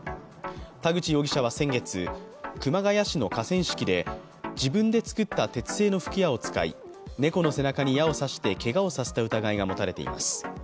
田口容疑者は先月、熊谷市の河川敷で自分で作った鉄製の吹き矢を使い、猫の背中に矢を刺してけがをさせた疑いが持たれています。